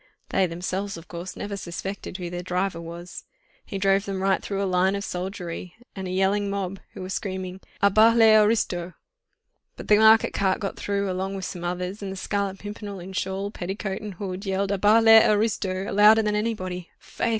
They, themselves, of course, never suspected who their driver was. He drove them right through a line of soldiery and a yelling mob, who were screaming, 'À bas les aristos!' But the market cart got through along with some others, and the Scarlet Pimpernel, in shawl, petticoat and hood, yelled 'À bas les aristos!' louder than anybody. Faith!"